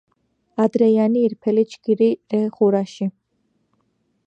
ადრეიანი ირფელი ჯგირი რე ღურაში